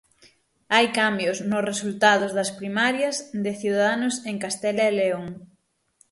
Hai cambios nos resultados das primarias de Ciudadanos en Castela e León.